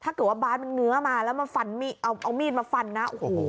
ถ้าเกิดว่าบ้านเนื้้อมาแล้วเอามีดมาฟันนะ